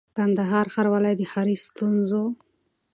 کندهار ښاروالۍ د ښاري ستونزو